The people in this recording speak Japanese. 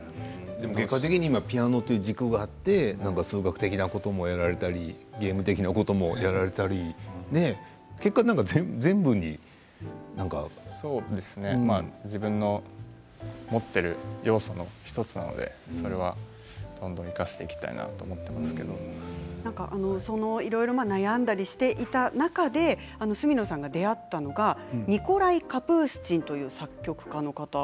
結局、ピアノという軸があって、数学的なこともやられたりゲーム的なこともやられたり自分の持っている要素の１つなのでそれはどんどんいろいろ悩んだりしていた中で角野さんが出会ったのがニコライ・カプースチンという作曲家の方。